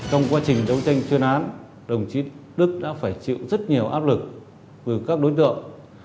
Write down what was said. trong quá trình đấu tranh chuyên án đồng chí đức đã phải chịu rất nhiều áp lực từ các đối tượng